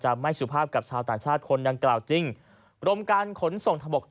จากไม่สุภาพกับชาวต่างชาติคนยังกล่าวจริงลมการขนส่งทางบกอ่าน